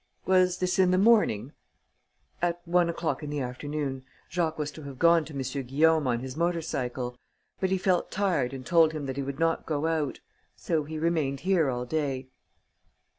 "Was this in the morning?" "At one o'clock in the afternoon. Jacques was to have gone to M. Guillaume on his motor cycle. But he felt tired and told him that he would not go out. So he remained here all day."